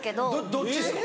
どっちですか？